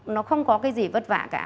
nó không có cái gì vất vả cả